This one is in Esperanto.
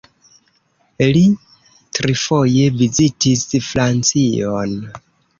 Li trifoje vizitis Francion.